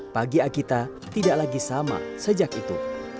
pagi agita tidak lagi sama sejak itu